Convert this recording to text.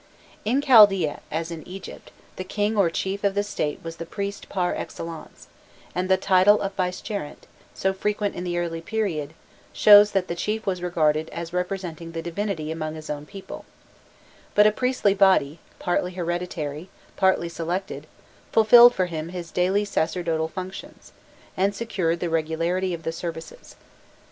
In Chaldaea, as in Egypt, the king or chief of the State was the priest par excellence, and the title of "vicegerent," so frequent in the early period, shows that the chief was regarded as representing the divinity among his own people; but a priestly body, partly hereditary, partly selected, fulfilled for him his daily sacerdotal functions, and secured the regularity of the services.